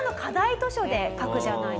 図書で書くじゃないですか。